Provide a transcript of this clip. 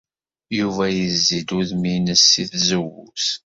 Yuba yezzi-d udem-nnes seg tzewwut.